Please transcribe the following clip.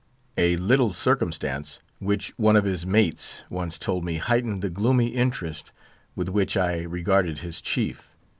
A little circumstance which one of his mates once told me heightened the gloomy interest with which I regarded his chief.